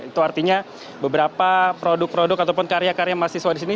itu artinya beberapa produk produk ataupun karya karya mahasiswa di sini